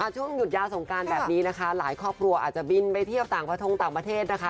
ช่วงหยุดยาวสงการแบบนี้นะคะหลายครอบครัวอาจจะบินไปเที่ยวต่างประทงต่างประเทศนะคะ